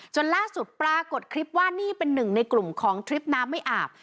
ล่าสุดปรากฏคลิปว่านี่เป็นหนึ่งในกลุ่มของทริปน้ำไม่อาบ